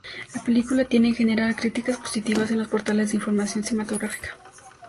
La película tiene, en general, críticas positivas en los portales de información cinematográfica.